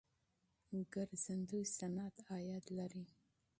ګرځندوی صنعت عاید لري.